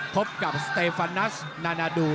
พบกับสเตฟานัสนานาดู